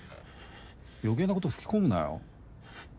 余計なこと吹き込むなよ。